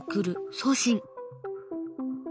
送信。